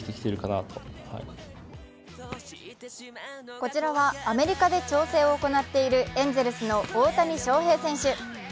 こちらはアメリカで調整を行っているエンゼルスの大谷翔平選手。